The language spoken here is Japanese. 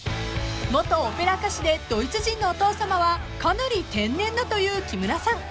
［元オペラ歌手でドイツ人のお父さまはかなり天然だという木村さん］